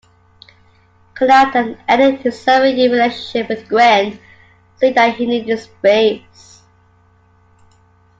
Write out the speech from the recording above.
Kanal then ended his seven-year relationship with Gwen, saying that he needed "space".